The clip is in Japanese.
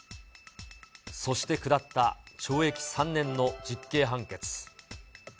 そして下った懲役３年の実刑判決。